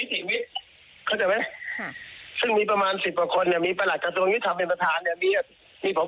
ถ้าผ่าศพที่สองต้องพนักงานสอบสวน